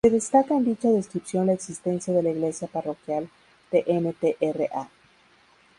Se destaca en dicha descripción la existencia de la iglesia parroquial de Ntra.